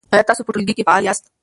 آیا تاسو په ټولګي کې فعال یاست؟